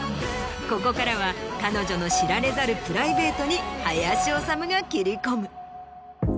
ここからは彼女の知られざるプライベートに林修が切り込む。